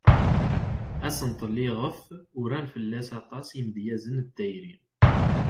Asentel iɣef uran fell-as aṭas yimedyazen d tayri.